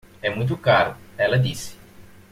É muito caro, ela disse.